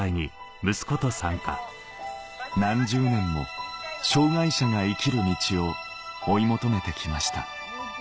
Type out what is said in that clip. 何十年も障害者が生きる道を追い求めてきました